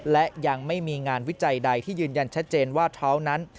และยังไม่มีงานวิจัยใดที่ยืนยันชัดเจนว่าเท้านั้น